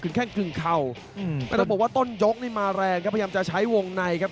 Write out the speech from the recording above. คุณแค่กลิ่นคร่าวโดยเราบอกว่าต้นยกธิ์นี่มาแรงครับพยายามจะใช้วงในครับ